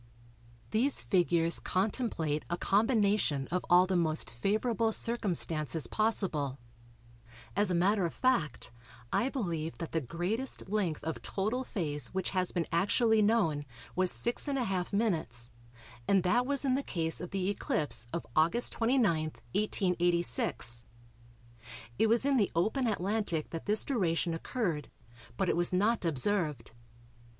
These figures contemplate a combination of all the most favourable circumstances possible; as a matter of fact, I believe that the greatest length of total phase which has been actually known was 6½^m and that was in the case of the eclipse of August 29, 1886. It was in the open Atlantic that this duration occurred, but it was not observed.